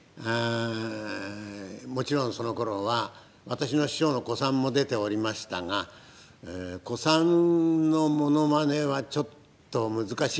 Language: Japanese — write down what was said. もちろんそのころは私の師匠の小さんも出ておりましたが小さんの物真似はちょっと難しいので。